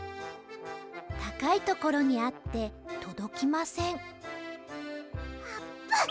たかいところにあってとどきませんあぷん！